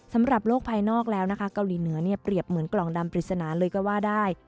สำหรับโลกภายนอกแล้วนะคะเกาหลีเหนือเนี่ยเปรียบเหมือนกล่องดำปริศนาเลยก็ว่าได้